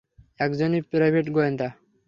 একজন প্রাইভেট গোয়েন্দা।